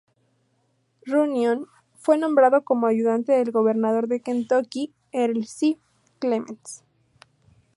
Runyon fue nombrado como ayudante del gobernador de Kentucky, Earle C. Clements.